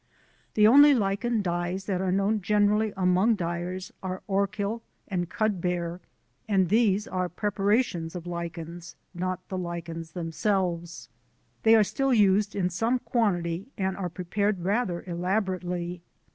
The only Lichen dyes that are known generally among dyers are Orchil and Cudbear, and these are preparations of lichens, not the lichens themselves. They are still used in some quantity and are prepared rather elaborately.